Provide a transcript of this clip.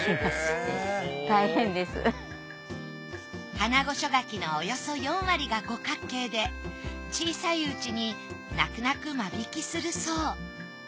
花御所柿のおよそ４割が五角形で小さいうちに泣く泣く間引きするそう。